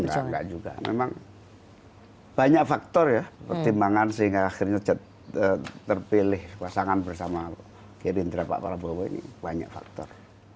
enggak enggak juga memang banyak faktor ya pertimbangan sehingga akhirnya terpilih pasangan bersama gerindra pak prabowo ini banyak faktor